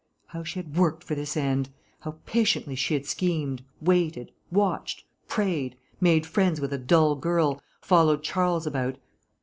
How she had worked for this end! How patiently she had schemed, waited, watched, prayed, made friends with a dull girl, followed Charles about....